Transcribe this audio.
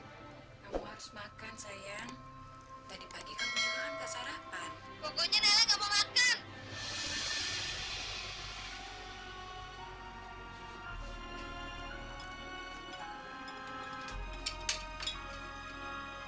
kamu harus makan sayang tadi pagi kamu juga gak angkat sarapan